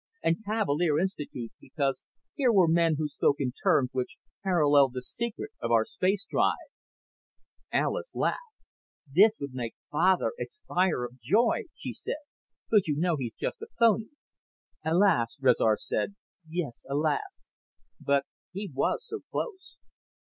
And Cavalier Institute because here were men who spoke in terms which paralleled the secret of our spacedrive." Alis laughed. "This would make Father expire of joy," she said. "But now you know he's just a phony." "Alas," Rezar said. "Yes, alas. But he was so close.